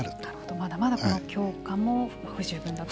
まだまだこの強化も不十分だと。